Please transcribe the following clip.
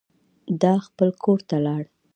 ده خپل کور ته لاړ.